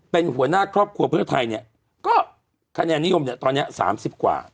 เป็นหัวหน้าครอบครัวเพื่อไทยเนี่ยก็คะแนนนิยมเนี่ยตอนนี้๓๐กว่า